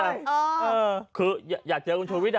เราไปเกี่ยวแรกกับชูวิตนะ